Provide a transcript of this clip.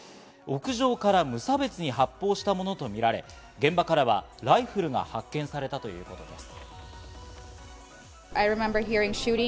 屋上から無差別に発砲したものとみられ、現場からはライフルが発見されたということです。